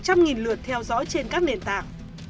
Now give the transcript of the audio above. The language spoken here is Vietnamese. trăm nghìn lượt theo dõi trên các nền tảng